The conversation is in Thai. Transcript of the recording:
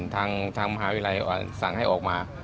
ทางมหาวิทยาลัยสั่งให้ออกมา